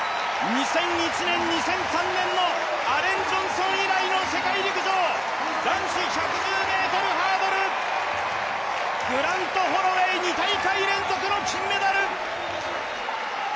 ２００１年、２００３年のアレン・ジョンソン以来の世界陸上男子１１０ｍハードル、グラント・ホロウェイ、２大会連続の金メダル！